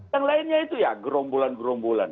yang lainnya itu ya gerombolan gerombolan